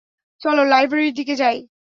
চলো, লাইব্রেরির দিকে যাই!